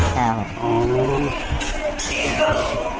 ใช่ครับ